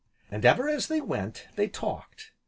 And, ever as they went, they talked.